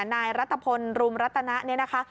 นายรัฐพลรุมรัตนะเนี่ยนะคะ